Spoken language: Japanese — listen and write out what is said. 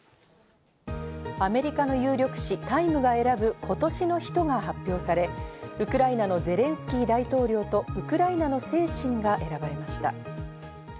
アメリカの有力誌『ＴＩＭＥ』が選ぶ今年の人が発表され、ウクライナのゼレンスキー大統領と「ウクライナの精神」が選ばれました。